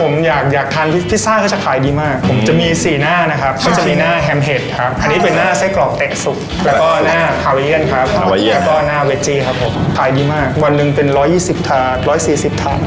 ผมอยากอยากทานลิฟพิซซ่าก็จะขายดีมากผมจะมีสี่หน้านะครับก็จะมีหน้าแฮมเผ็ดครับอันนี้เป็นหน้าไส้กรอกเตะสุกแล้วก็หน้าคาเวียนครับแล้วก็หน้าเวจี้ครับผมขายดีมากวันหนึ่งเป็นร้อยยี่สิบถาด๑๔๐ถาด